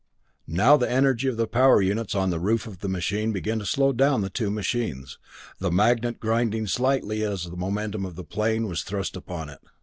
Now the energy of the power units on the roof of the machine began to slow down the two machines, the magnet grinding slightly as the momentum of the plane was thrust upon it.